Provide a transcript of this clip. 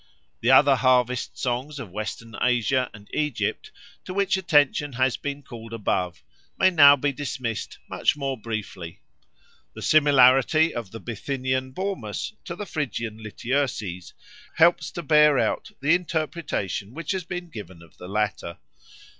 The other harvest songs of Western Asia and Egypt, to which attention has been called above, may now be dismissed much more briefly. The similarity of the Bithynian Bormus to the Phrygian Lityerses helps to bear out the interpretation which has been given of the latter.